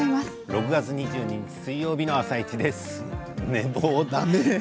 ６月２２日水曜日の「あさイチ」です。